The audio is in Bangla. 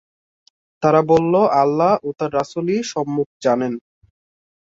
তারা বলল, আল্লাহ ও তার রাসূলই সম্যক জানেন।